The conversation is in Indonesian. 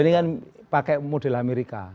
ini kan pakai model amerika